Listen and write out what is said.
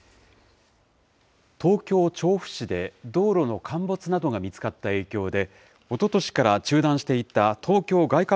東京・調布市で、道路の陥没などが見つかった影響で、おととしから中断していた東京外